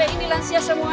ini lansia semua